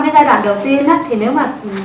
giai đoạn đầu tiên thì nếu mà